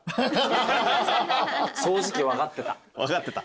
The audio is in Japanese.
正直分かってた。